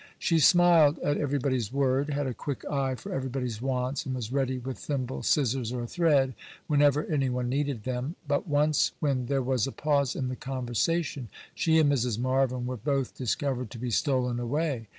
She smiled at everybody's word, had a quick eye for everybody's wants, and was ready with thimble, scissors, or thread, whenever any one needed them; but once when there was a pause in the conversation, she and Mrs. Marvyn were both discovered to be stolen away.